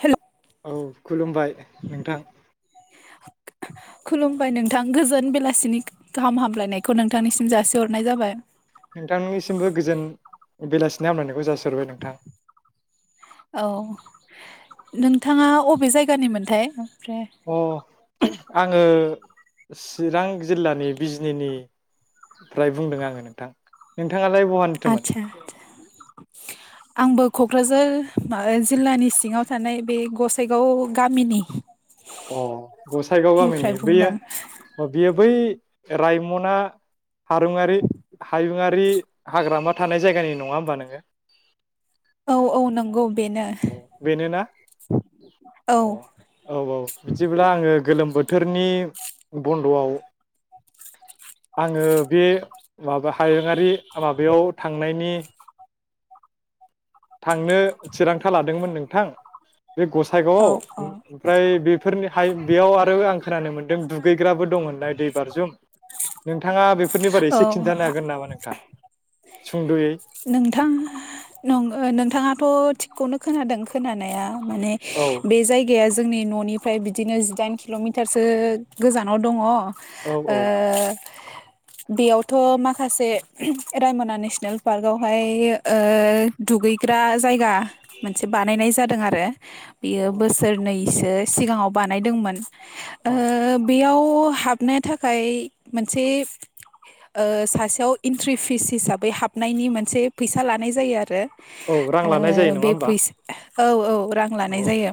हेल' औ खुलुमबाय नोंथां खुलुमबाय नोंथां गोजोन बेलासिनि गाहाम हामलायनायखौ नोंथांनिसिम जासिहरनाय जाबाय नोंथांमोननिसिमबो गोजोन बेलासि गोजोन हामलायनायखौ जासि औ नोंथाङा अबे जायगानिमोनथाय [inaudible] अ आङो चिरां जिल्लानि बिजनिनिफ्राय बुंदों आङो नोंथां नोंथाङालाय बहानिथोमोन आतसा आंबो क'क्राझार जिल्लानि सिङाव थानाय बे गसाइगाव गामिनि अ गसाइगाव गामिनि निफ्राय बुंदों बेयो बेयो बै रायमना हारुङारि हायुङारि हाग्रामा थानाय जायगानि नङा होमबा नोङो औ औ नंगौ बेनो औ बेनो ना औ औ औ बिदिब्ला आङो गोलोम बोथोरनि बन्द'आव आङो बे माबा हायुङारि माबायाव थांनायनि थांनो थिरांथा लादोंमोन नोंथां बे औ गसाइगावआव औ ओमफ्राय बेफोरनि हाय बेयाव आरो आं खोनानो मोन्दों दुगैग्राबो दंहोननाय दै बारजुम नोंथाङा बे [unintelligible] औ एसे खिन्थानो हागोन नामा नों नोंथां सुंद'यै नोंथां [unintelligible] नोंथाङाथ' थिगखौनो खोनादों खोनानाया माने औ बे जायग जायगाया जोंनि न'निफ्राय बिदिनो जिदाइन किल'मिटारसो गोजानाव दङ ओ औ औ बेयावथ' माखासे रायमना नेसनेल पार्क आवहाय ओ दुगै [unintelligible] जायगा मोनसे बानायनाय जादों आरो [unintelligible] बियो औ बोसोरनैसो सिगाङाव बानायदोंमोन ओ औ बेयाव हाबनो थाखाय मोनसे सासेयाव इन्ट्रि फिस हिसाबै हाब हाबनायनि मोनसे फैसा लानाय जायो आरो औ रां लानाय जायो ओ नङा बे होमबा फैसा औ औ रां औ लानाय औ जायो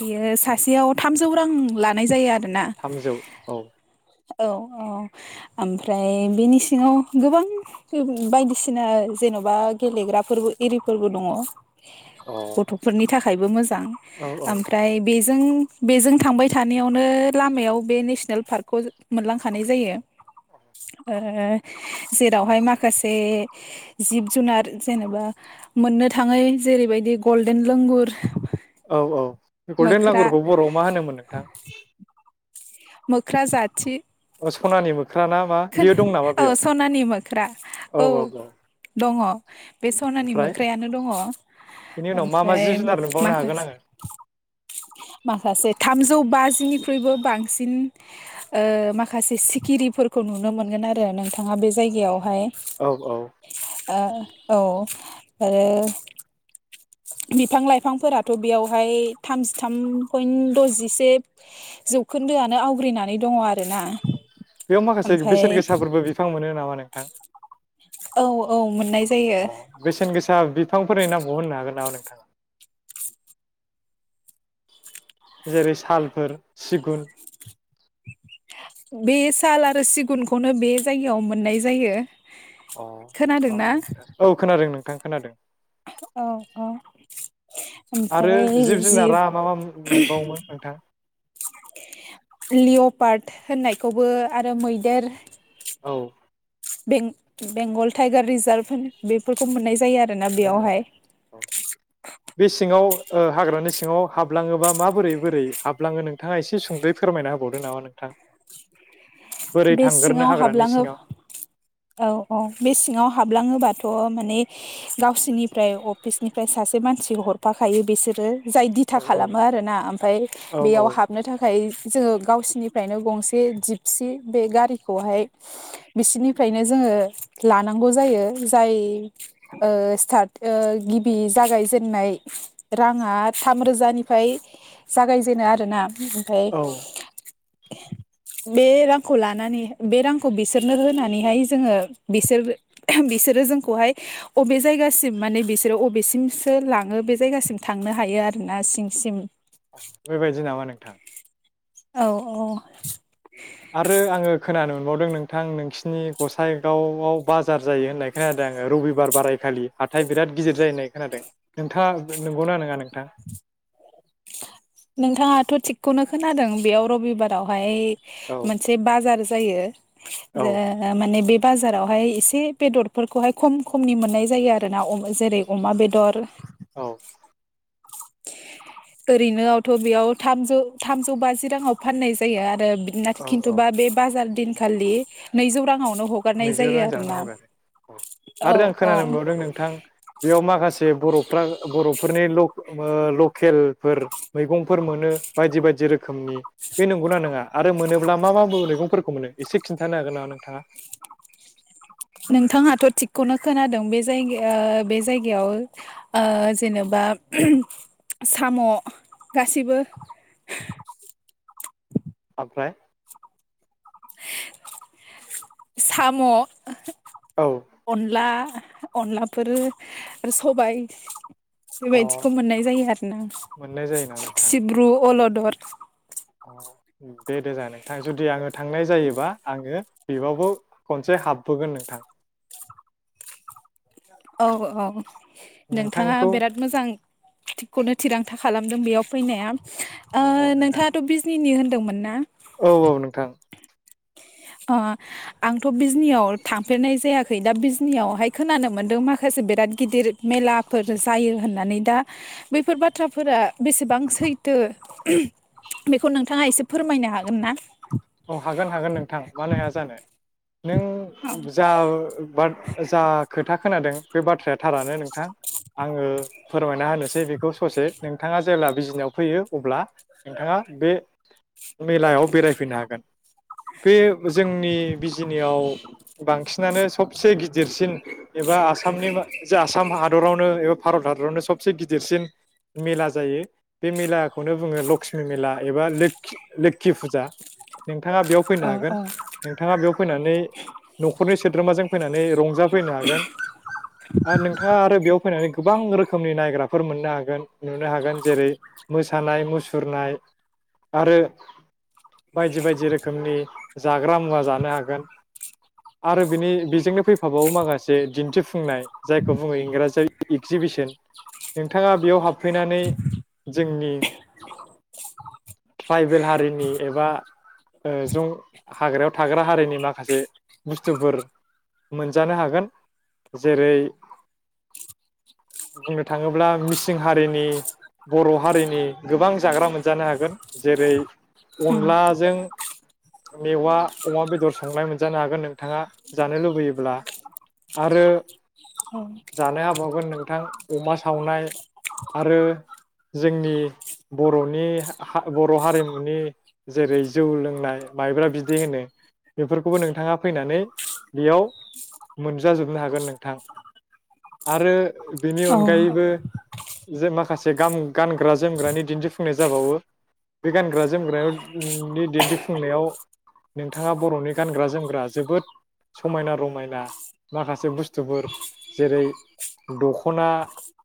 बियो सासेयाव थामजौ रां लानाय जायो आ थामजौ औ औ औ ओमफ्राय बेनि सिङाव गोबां बायदिसिना जेन'बा गेलेग्राफोरबो इरिफोरबो दङ अ गथ'फोरनि थाखायबो मोजां औ ओमफ्राय बेजों बेजों थांबाय थानायावनो लामायाव बे नेसनेल पार्कखौ ओ मोनलांखानाय जायो ओ जेरावहाय माखा माखासे जिब जुनार जेनेबा मोननो थाङै जेरैबायदि गल्डेन लोंगुर औ औ गल्डेन मोख्रा लांगुरखौ बर'आव मा होनोमोन नोंथां मोख्रा जाथि सनानिबो [unintelligible] औ सनानि मोख्रा औ दङ बे सनानि ओमफ्राय मोख्रानो दङ बेनि उनाव मा मा ओमफ्राय जिब जुनार नुबावनो हागोन माखासे आङो माखासे थामजौ बाजिनिख्रुइबो बांसिन ओ माखासे सिखिरिफोर खौ नुनो मोनगोन आरो नोंथाङा बे जायगायाव ओमफाय औ औ अ औ आरो बिफां लाइफांफोराथ' बेयावहाय थामजिथाम पइन्ट दजिसे जौखोन्दोआनो आवग्रिनानै दङ आ [inaudible] बेयाव माखासे बेसेन गोसाफोरबो बिफां मोनो नामा नोंथां औ औ मोननाय जायो बेसेन गोसा बिफांफोरनि नामबौ होननो हागोन नामा नोंथाङा जेरै सालफोर सिगुन बे साल आरो सिगुनखौनो बे जायगायाव मोननाय जायो अ औ खोनादोंना औ खोनादों नों आं खोनादों अ अ आरो ओमफ्राय जिब जुनारा मा मा मोनबावोमोन नोंथां लिअपार्ट होननायखौबो आरो मैदेर औ बें बेंगल टाइगार रिजार्भ होन बेफोरखौ मोननाय जायो जायो आरोना मोननाय जायो बेयावहाय औ बे सिङाव ओ हाग्रानि सिङाव हाबलाङोबा माबोरै बोरै हाबलाङो नोंथाङा एसे सुंदयै फोरमायना होबावदो नामा नोंथां बोरै बे थांगोरनो सिङाव हाग्रानि हाबलाङो सिङाव औ औ बे सिङाव हाबलाङोबाथ' थ माने गावसोरनिफ्राय अफिसनिफ्राय सासे मानसि हरफाखायो बिसोरो जाय दिथा औ औ खालामो आरो ना ओमफ्राय औ औ बेयाव हाबनो थाखाय जोङो गावसिनिफ्रायनो गंसे जिपसि बे गारिखौहाय बिसिनिफ्रायनो जोङो लानांगौ जायो जाय ओ स्टार्ट ओ गिबि जागायजेनन्नाय राङा थामरोजानिफ्राय जागायजेनो आरोना ओमफाय औ बे रां खौ लानानै बे रांखौ बिसोरनो होनानैहाय जोङो बिसोर बिसोरो जोंखौहाय अबे जायगासिम माने बिसोरो बबेसिमसो लाङो बे जायगासिम थांनो हायो आरोना सिं सिं बेबायदि नामा नोंथां औ औ आरो आङो खोनानो मोनबावदों नोंथां नोंसिनि गसाइगावआव बा जार जायो होननाय खोनादों आङो रबिबार बाराय खालि हाथाय बिराद गिदिर जायो होननाय खोनादों नोंथाङा नंगौना नङा नोंथां नोंथाङाथ थिगखौनो खोनादों बेयाव रबिबारावहाय औ मोनसे बाजार जायो औ जे माने बे बाजारावहाय एसे बेदरफोरखौहाय खम खमनि मोननाय जायो आरो ना जेरै अमा बेदर औ ओरैनोआवथ बेयाव थामजौ थामजौ बाजि राङाव फाननाय जायो आरो बिदिनाथ औ औ खिन्थुबा बे बाजार दिन खालि नैजौ राङावनो हगारनाय नैजौ जायो रां जानो आरोना हगारो औ औ आरो आं औ सेे बर' फ्रा बर'फोरनि लके ओ लकेलफोर मैगंफोर मोनो बायदि बायदि रोखोमनि बे नंगौना नङा आरो मोनोब्ला मा मा मैगंफोर मोनो एसे खिन्थानो हागोन नामा नोंथाङा नोंथाङाथ थिगखौनो खोनादों बे जायग बे जायगायाव ओ जेनेबा साम गासैबो ओमफ्राय साम औ अनला अनलाफोर आरो सबाय अ बेबायदिखौ मोननाय जायो आरो ना मोननाय जायो नामा नोंथां सिब्रु अलद दोर [unintelligible] अ दे दे जाह नोंथां जुदि आङो थांनाय जायोबा आङो बेवबो खनसे हाबबोगोन नोंथां औ औ नोंथाङा नोंथांखौ बिराद मोजां थिगखौनो थिरांथा खालाम दों बेयाव फैनाया ओ औ औ नोंथां नोंथाङाथ' बिजनि होन दोंमोन ना औ औ नोंथां अ आंथ' बिजनियाव थांफेरनाय जायाखै दा बिजनियावहाय खोनानो मोन्दों माखासे बिराद गिदिर मेलाफोर जायो होननानै दा बैफोर बाथ्राफोरा बेसेबां सैथो बेखौ नोंथाङा एसे फोरमायनो हागोन ना औ हागोन हागोन नोंथां मानो हाया जानो नों जा जा खोथा खोनादों बे बाथ्राया थारानो नोंथां आङो फोरमायना होनोसै बेखौ ससे नोंथाङा जेब्ला बिजिनायाव फैयो अब्ला नोंथाङा बे मेलायाव बेरायफैनो हा बे जोंनि बिजिनियाव बांसिनानो सबसे गिदिरसिन एबा आसामनि जा आसाम हादरावनो एबा भारत हादरावनो सबसे गिदिरसिन मेला जायो बे मेलाखौनो बुङो लक्ष्मि मेला एबा लो लोखि फुजा नों नोंथाङा बेयाव फैनो औ हागोन औ नोंथाङा बेयाव फैनानै न'खरनि सोद्रोमाजों फैनानै रंजाफैनो हागोन आरो नोंथाङा आरो बेयाव फैनानै गोबां रोखोमनि नायग्राफोर मोननो हागोन नुनो हागोन जेरै मोसानाय मुसुरनाय आरो बायदि बायदि रोखोमनि जाग्रा मुवा जानो हागोन आरो बिनि बेजोंनो फैफाबावो माखासे दिन्थिफुंनाय जायखौ बुङो इंराजियाव एक्जिबिसन नोंथाङा बेयाव हाब फैनानै जोंनि ट्राइबेल हारिनि एबा जों हाग्रायाव थाग्रा हारिनि माखासे बुस्थुफोर मोनजानो हागोन जेरै बुंनो थाङोब्ला मिसिं हारिनि बर' हारिनि गोबां जाग्रा मोनजानो हागोन जेरै अनला जों मेवा अमा बेदर संनाय मोनजानो हागोन नोंथाङा जानो लुबैयोब्ला आरो जानो हाबावगोन नोंथां अमा सावनाय आरो जोंनि बर'नि हा बर' हारिमुनि जेरै जौ लोंनाय माइब्रा बिदै होनो बेफोरखौबो नोंथाङा फैनानै बेयाव मोनजाजोबनो हागोन नोंथां आरो बिनि औ अनगायैबो जे माखासे गाम गानग्रा जोमग्रानि दिन्थिफुंनाय जाबावो बे गानग्रा जोमग्रायाव नि दिन्थिफुंनायाव नोंथाङा बर'नि गानग्रा जोमग्रा जोबोद समायना रमायना माखासे बुस्थुफोर जेरै दख'ना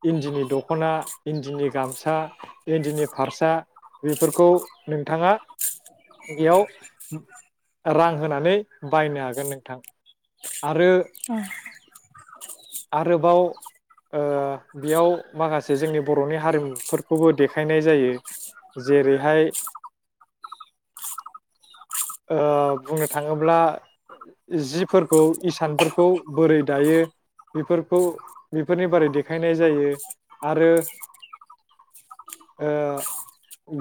इन्दिनि दख'ना इन्दिनि गामसा इन्दिनि फारसा बेफोरखौ नोंथाङा बेयाव रां होनानै बायनो हागोन नोंथां आरो आरोबाव ओ बेयाव माखासे जोंनि बर'नि हारिमुफोरखौबो देखायनाय जायो जेरैहाय अ बुंनो थाङोब्ला जिफोरखौ इसानफोरखौ बोरै दायो बेफोरखौ बेफोरनि बारै देखायनाय जायो आरो ओ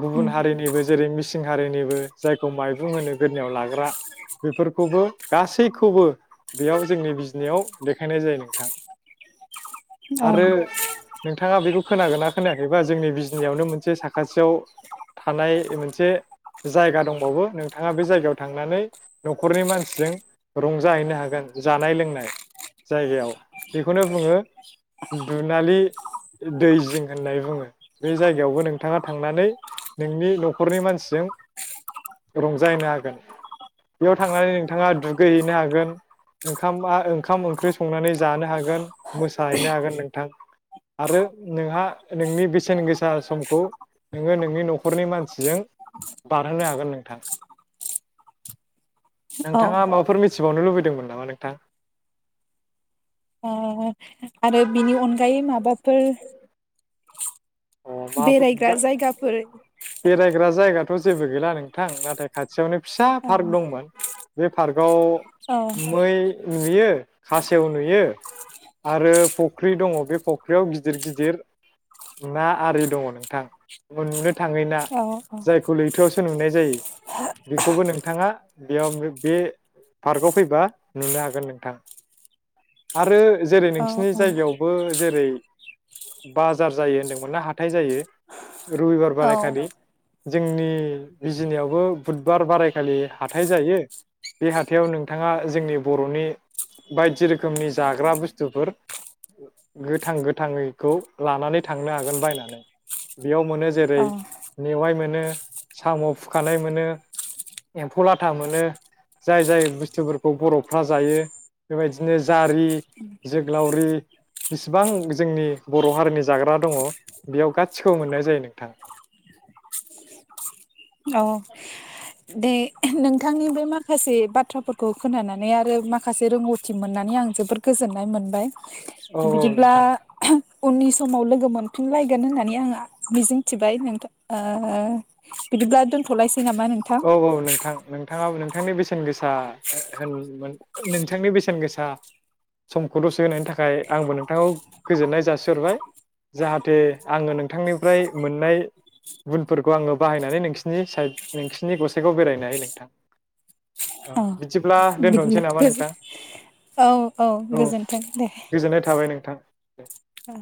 गुबुन उम हारिनिबो जेरै मि सिंहारिनिबो जायखौ माइरुं होनो गोदनियाव लाग्रा बेफोरखौबो गासैखौबो बेयाव जोंनि बिजनियाव देखायनाय जायो नोंथां औ आरो नोंथाङा बेखौ खोनागोन ना खोनायाखैबा जोंनि बिजनियावनो मोनसे साखाथियाव थानाय मोनसे जायगा दंबावो नोंथाङा बे जायगायाव थांनानै न'खरनि मानसिजों रंजाहैनो हागोन जानाय लोंनाय जायगायाव बेखौनो बुङो दुनालि दै जिं होननानै बुङो बे जायगायावबो नोंथाङा थांनानै नोंनि न'खरनि मानसि जों रंजाहैनो हागोन बेयाव थांनानै नोंथाङा दुगैहैनो हागोन ओंखाम मा ओंखाम ओंख्रि संनानै जानो हागोन मोसाहैनो हागोन नोंथां आरो नोंहा नोंनि बेसेन गोसा समखौ नोङो नोंनि न'खरनि मानसिजों बारहोनो हागोन नोंथां ओ नोंथाङा माबाफोर मि थिबावनो लुबैदोंमोन नामा नोंथां? आरो बिनि अनगायै माबा फोर अ मा बेरायग्रा जायगाफोर बेरायग्रा जायगाथ' जेबो गैला नोंथां नाथाय खाथियावनो फिसा ओं पार्क दंमोन बे पार्कआव औ मै नुयो खासेव नुयो आरो फख्रि दङ बे फख्रियाव गिदिर गिदिर ना आरि दङ नोंथां मोननो थाङै ना औ जायखौ लैथोआवसो नुनाय जायो बेखौबो नोंथाङा बेयाव बे पार्कआव फैबा नुनो हागोन नोंथां आरो जेरै औ नोंसोरनि जायगायावबो जेरै बाजार जायो होनदोंमोना हाथाय जायो रुबिबार औ बाराय खालि जोंनि बिजिनियावबो बुधबार बारायखालि हाथाइ जायो बे हाथायाव नोंथाङा जोंनि बर'नि बायदि रोखोमनि जाग्रा बुस्थुफोर गोथां गोथाङैखौ लानानै थांनो हागोन बायनानै बेयाव मोनो जेरै मेवाइ मोन साम' फुखानाय मोनो एमफौ लाथा मोनो जाय जाय बुस्थुफोरखौ बर'फोरा जायो बेबायदिनो जारि जोग्लावरि बिसेबां जोंनि बर' हारिनि जाग्रा दङ बेयाव गासिखौबो मोननाय जायो नोंथां औ दे नोंथांनि बे माखासे बाथ्राफोरखौ खोनानानै आरो माखासे रोंगौथि मोननानै आं जोबोर गोजोननाय मोनबाय औ औ बिदिब्ला नोंथां उननि समाव लोगो मोन मोनफिनलायगोन होननानै आं मिजिंथिबाय नोंथा ओ बिदिब्ला दोनथ'लायस औ औ नोंथां नोंथाङाबो नों थांनि बेसेन गोसा होन मोन नोंथांनि बेसेन गोसा समखौ द'से होनायनि थाखाय आंबो नोंथांखौ गोजोननाय जासिहरबाय जाहाथे आङो नोंथांनिफ्राय मोननाय गुनफोरखौ आङो बाहायनानै नोंसिनि साइड नोंसिनि गसाइगाव बेरायनो हायो नोंथां औ बिदिब्ला बिदिब्ला दोनथ'नोसै नामा गोजोन नोंथां औ औ गोजोन्थों गोजोननाय थाबाय नोंथां [inaudible] औ